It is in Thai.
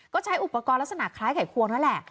ก็ใช้อุปกรณ์ลักษณะคล้ายไข่ควงนั่นแหละ